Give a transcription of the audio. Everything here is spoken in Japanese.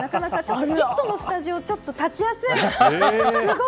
「イット！」のスタジオちょっと立ちやすい。